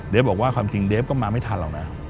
บอกว่าความจริงเดฟก็มาไม่ทันหรอกนะ